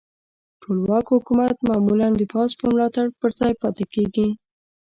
ټولواک حکومت معمولا د پوځ په ملاتړ پر ځای پاتې کیږي.